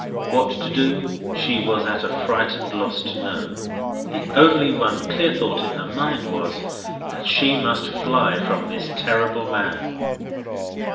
What to do, she was at a frightened loss to know: the only one clear thought in her mind was, that she must fly from this terrible man.